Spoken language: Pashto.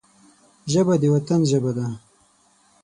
ژبه د وطن ژبه ده